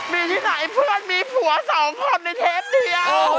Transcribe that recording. มีที่ไหนเพื่อนมีผัวสองคนในเทปเดียว